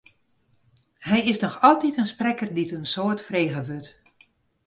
Hy is noch altyd in sprekker dy't in soad frege wurdt.